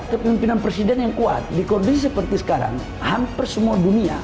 kepemimpinan presiden yang kuat di kondisi seperti sekarang hampir semua dunia